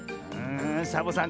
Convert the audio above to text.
サボさん